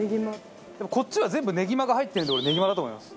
でもこっちは全部ねぎまが入ってるんで俺ねぎまだと思います。